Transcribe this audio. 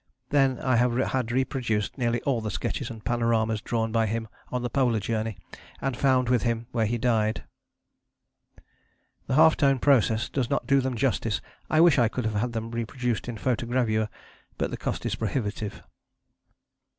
Then I have had reproduced nearly all the sketches and panoramas drawn by him on the Polar Journey and found with him where he died. The half tone process does not do them justice: I wish I could have had them reproduced in photogravure, but the cost is prohibitive.